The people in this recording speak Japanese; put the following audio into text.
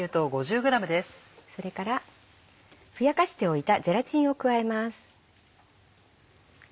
それからふやかしておいたゼラチンを加えます。